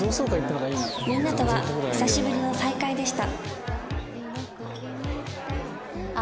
みんなとは久しぶりの再会でした